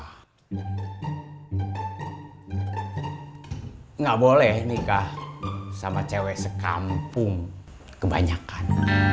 ya nggak boleh nikah sama cewek sekampung kebanyakan